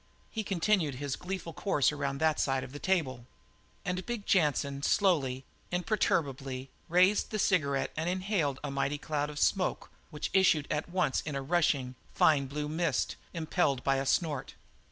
He continued his gleeful course around that side of the table. And big Jansen slowly, imperturbably, raised the cigarette and inhaled a mighty cloud of smoke which issued at once in a rushing, fine blue mist, impelled by a snort.